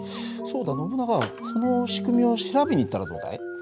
そうだノブナガその仕組みを調べに行ったらどうだい？